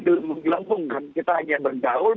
dan menggelanggungkan kita hanya bergaul